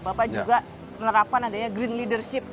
bapak juga menerapkan adanya green leadership